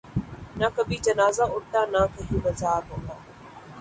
نہ کبھی جنازہ اٹھتا نہ کہیں مزار ہوتا